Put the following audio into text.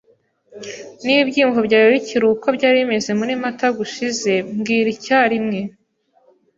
Niba ibyiyumvo byawe bikiri uko byari bimeze muri Mata gushize, mbwira icyarimwe.